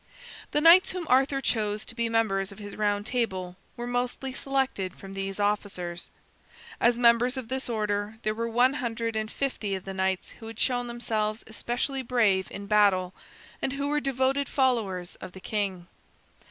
The knights whom Arthur chose to be members of his Round Table were mostly selected from these officers. As members of this order there were one hundred and fifty of the knights who had shown themselves especially brave in battle and who were devoted followers of the king.